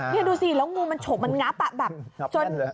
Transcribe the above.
นี่ดูสิแล้วงูมันฉกมันงับแบบจน